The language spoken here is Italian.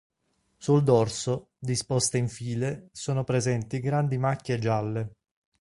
Sul dorso, disposte in file, sono presenti grandi macchie gialle.